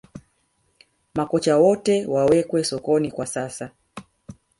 Makocha wote wawekwe sokoni kwa sasa